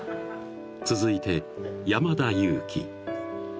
［続いて山田裕貴］